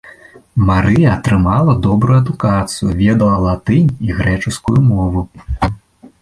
Марыя атрымала добрую адукацыю, ведала латынь і грэчаскую мову.